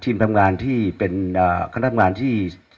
ทีมทำงานที่เป็นคณะทำงานที่